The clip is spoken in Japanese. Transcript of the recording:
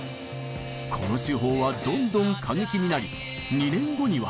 この手法はどんどん過激になり２年後には。